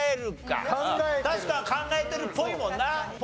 確かに考えてるっぽいもんなポーズはな。